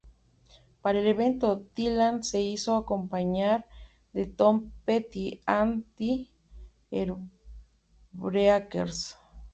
Para el evento, Dylan se hizo acompañar de Tom Petty and the Heartbreakers.